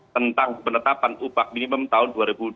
tentang penetapan upah minimum tahun dua ribu dua puluh